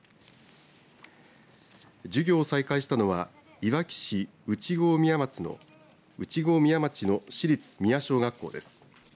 授業を再開したのはいわき市内郷宮町の市立宮小学校です。